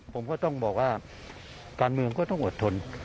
ผมก็ต้องบอกว่าการเมืองก็ต้องอดทน